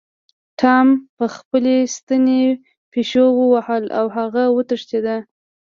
ټام په خپلې ستنې پیشو ووهله او هغه وتښتیده.